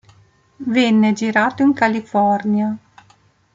Venne girato in California.